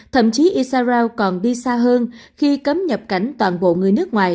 thậm chí isarao còn đi xa hơn khi cấm nhập cảnh toàn bộ người nước ngoài